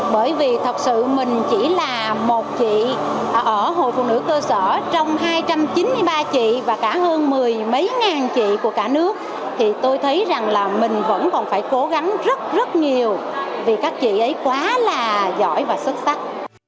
bởi vì thật sự mình chỉ là một chị ở hội phụ nữ cơ sở trong hai trăm chín mươi ba chị và cả hơn mười mấy ngàn chị của cả nước thì tôi thấy rằng là mình vẫn còn phải cố gắng rất rất nhiều vì các chị ấy quá là giỏi và xuất sắc